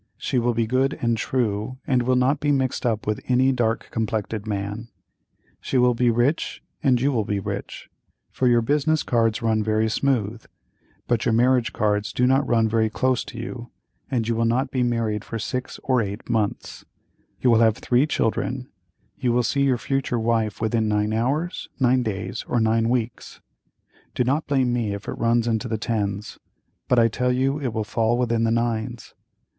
She will be good and true, and will not be mixed up with any dark complected man. She will be rich and you will be rich, for your business cards run very smooth, but your marriage cards do not run very close to you, and you will not be married for six or eight months; you will have three children; you will see your future wife within nine hours, nine days, or nine weeks; do not blame me if it runs into the tens, but I tell you it will fall within the nines.